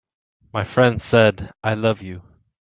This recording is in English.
My friend said: "I love you.